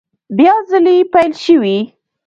بیا ځلي پیل شوې